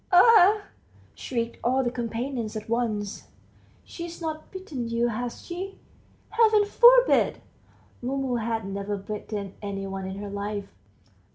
"Ah!" shrieked all the companions at once, "she's not bitten you, has she? Heaven forbid! (Mumu had never bitten any one in her life.)